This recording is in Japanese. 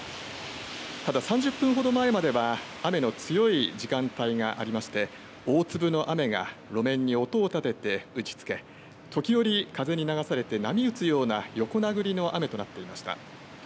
ただ、３０分ほど前までは、雨の強い時間帯がありまして、大粒の雨が路面に音を立てて打ちつけ、時折、風に流されて、波打つような横殴りと雨となっていました。